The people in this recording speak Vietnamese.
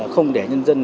không để nhân dân